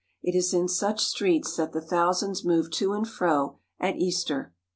It is in such streets that the thou sands move to and fro at Easter.